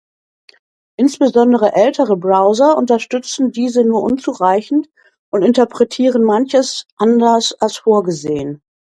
Insbesondere ältere Browser unterstützen diese nur unzureichend und interpretieren manches anders als vorgesehen.